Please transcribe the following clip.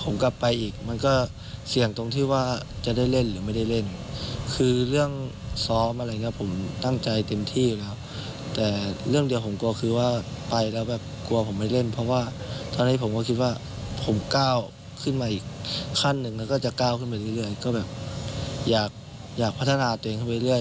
มาอีกขั้นหนึ่งแล้วก็จะก้าวขึ้นไปเรื่อยก็แบบอยากอยากพัฒนาตัวเองขึ้นไปเรื่อย